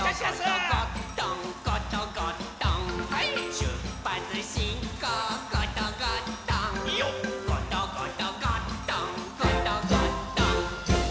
「ゴトゴトゴットンゴトゴットン」「しゅっぱつしんこうゴトゴットン」「ゴトゴトゴットンゴトゴットン」